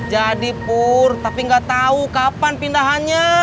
jadi pur tapi enggak tahu kapan pindahannya